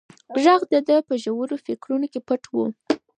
غږ د ده په ژورو فکرونو کې پټ و.